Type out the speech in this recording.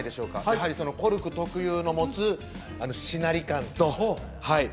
やはりコルク特有の持つあのしなり感とはい